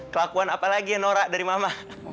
kelakuan apa lagi ya nora dari mama